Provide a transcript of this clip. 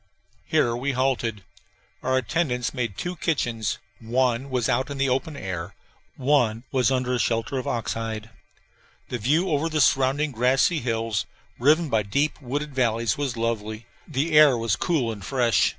Here we halted. Our attendants made two kitchens: one was out in the open air, one was under a shelter of ox hide. The view over the surrounding grassy hills, riven by deep wooded valleys, was lovely. The air was cool and fresh.